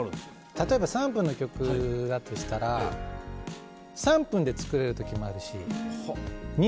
例えば３分の曲だとしたら３分で作れる時もあるし。